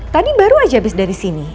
tadi baru aja habis dari sini